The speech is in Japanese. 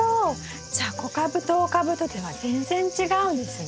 じゃあ小株と大株とでは全然違うんですね。